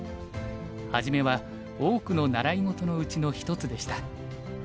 初めは多くの習い事のうちの一つでした。